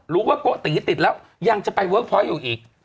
รู้ว่าก็ติดแล้วยังจะไปเวิร์คไพรส์อยู่อีก